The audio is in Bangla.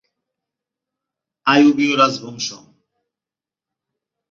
আইয়ুবীয় রাজবংশ।